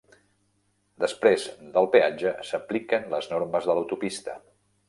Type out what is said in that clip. Després del peatge s'apliquen les normes de l'autopista.